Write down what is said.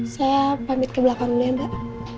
saya pamit ke belakang dulu ya mbak